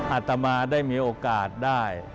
อาตมาได้มีโอกาสได้